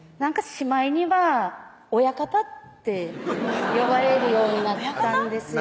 しまいには「親方」って呼ばれるようになったんですよね